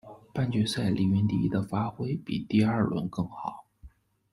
半决赛李云迪的发挥比第二轮更好。